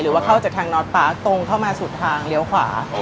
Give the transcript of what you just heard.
แล้วเราสมองเข้ามาสุดทางเหลียวขวา